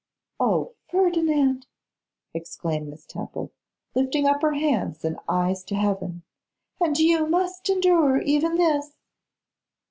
'O Ferdinand!' exclaimed Miss Temple, lifting, up her hands and eyes to heaven, 'and you must endure even this!